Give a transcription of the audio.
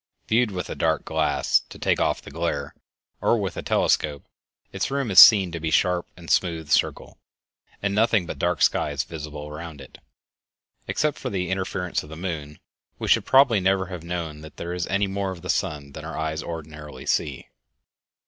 Viewed with a dark glass to take off the glare, or with a telescope, its rim is seen to be a sharp and smooth circle, and nothing but dark sky is visible around it. Except for the interference of the moon, we should probably never have known that there is any more of the sun than our eyes ordinarily see.